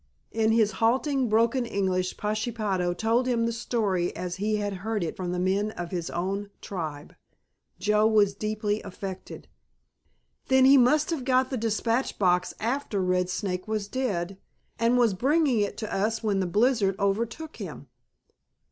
In his halting, broken English Pashepaho told him the story as he had heard it from the men of his own tribe. Joe was deeply affected. "Then he must have got the dispatch box after Red Snake was dead, and was bringing it to us when the blizzard overtook him.